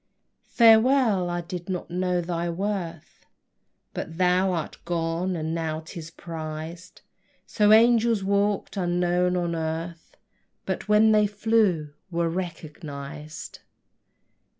Farewell! I did not know thy worth; But thou art gone, and now 'tis prized: So angels walk'd unknown on earth, But when they flew were recognized!